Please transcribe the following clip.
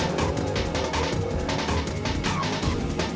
aduh ya anak jalanan